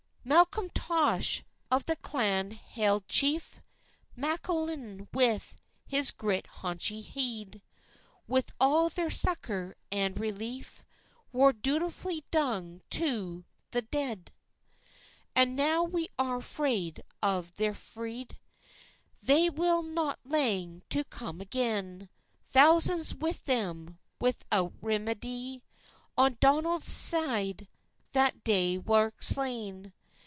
Malcomtosh, of the clan heid cheif, Macklean with his grit hauchty heid, With all thair succour and relief, War dulefully dung to the deid; And now we are freid of thair feid, They will not lang to cum again; Thousands with them, without remeid, On Donald's syd, that day war slain.